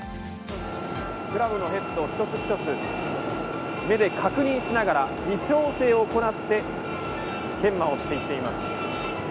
クラブのヘッドを一つ一つ目で確認しながら微調整を行って研磨をしていっています。